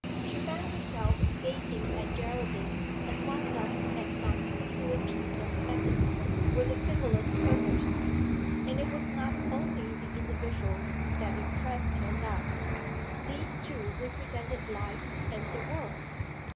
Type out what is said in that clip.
She found herself gazing at Geraldine as one does at some singular piece of mechanism with a frivolous purpose. And it was not only the individuals that impressed her thus; these two represented life and the world.